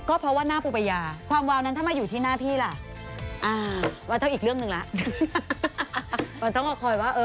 ก็เพราะว่าหน้าปูปายาความวาวนั้นทำไมอยู่ที่หน้าพี่ล่ะ